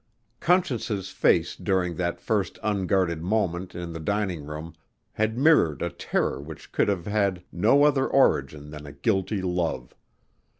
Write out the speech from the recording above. Conscience's face during that first unguarded moment in the dining room had mirrored a terror which could have had no other origin than a guilty love.